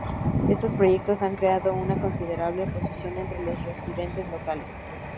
Estos proyectos han creado una considerable oposición entre los residentes locales.